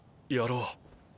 やろう。